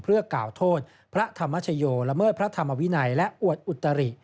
เพื่อกล่าวโทษพระธรรมชโยละเมิดพระธรรมวินัยและอวดอุตริ